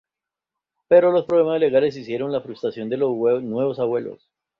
Pero los problemas legales hicieron la frustración de los nuevos Abuelos.